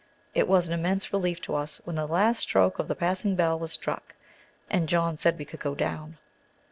It was an immense relief to us when the last stroke of the passing bell was struck, and John said we could go down.